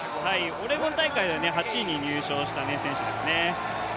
オレゴン大会は８位に入賞した選手ですね。